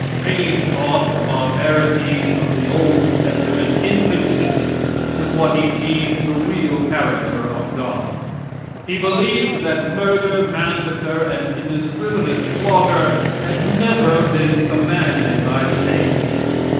Paine thought the barbarities of the old testament inconsistent with what he deemed the real character of God. He believed that murder, massacre and indiscriminate slaughter had never been commanded by the Deity.